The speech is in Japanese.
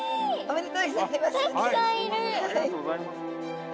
ありがとうございます。